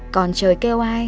còn trời kêu ai